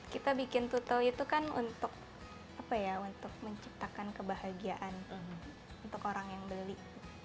kita bikin tutel itu kan untuk menciptakan kebahagiaan untuk orang yang beli